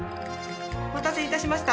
お待たせいたしました。